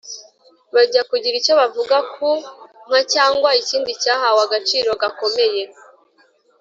bajya kugira icyo bavuga ku nka cyangwa ikindi cyahawe agaciro gakomeye